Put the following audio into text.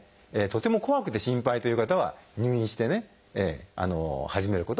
とても怖くて心配という方は入院して始めることもあります。